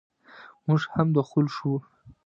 موږ هم دخول شوو.